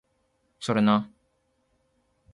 それな